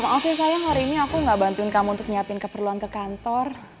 maaf ya sayang hari ini aku gak bantuin kamu untuk nyiapin keperluan ke kantor